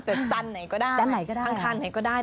แต่ตรงจันทร์ไหนก็ได้